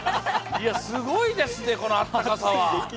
すごいですね、この暖かさは。